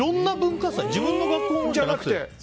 自分の学校のじゃなくて？